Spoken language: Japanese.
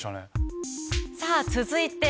さぁ続いて。